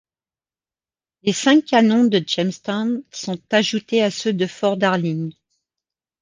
Les cinq canons du Jamestown sont ajoutés à ceux de Fort Darling.